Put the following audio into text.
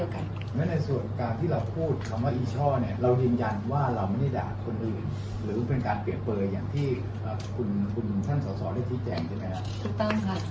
เพราะฉะนั้นในส่วนการที่เราพูดคำว่าอีช่อเนี่ยเรายืนยันว่าเราไม่ได้ด่าคนอื่นหรือเป็นการเปรียบเปลยอย่างที่คุณท่านสอสอได้ชี้แจงใช่ไหมครับ